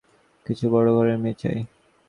কিন্তু বড়ো ঘরের মেয়ে চাই।